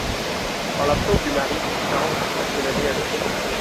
En l'absence du mari, il s'arrange pour passer la nuit avec elle.